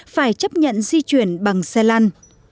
phải chấp nhận di chuyển bằng xe lăn